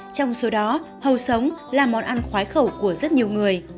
trong số đó hầu sống là món ăn khoái khẩu của rất nhiều người